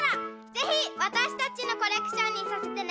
ぜひわたしたちのコレクションにさせてね！